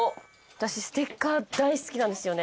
私ステッカー大好きなんですよ。